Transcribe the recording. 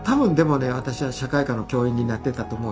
私は社会科の教員になってたと思うよ福岡で。